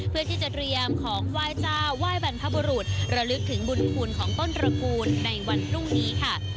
เพื่อที่จะเตรียมของไหว้เจ้าไหว้บรรพบุรุษระลึกถึงบุญคุณของต้นตระกูลในวันพรุ่งนี้ค่ะ